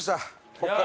ここから。